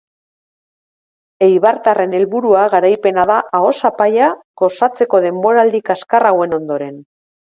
Eibartarren helburua garaipena da aho-zapaia gozatzeko denboraldi kaskar hauen ondoren.